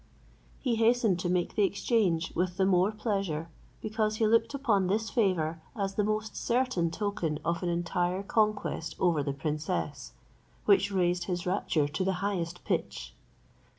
He hastened to make the exchange with the more pleasure, because he looked upon this favour as the most certain token of an entire conquest over the princess, which raised his rapture to the highest pitch.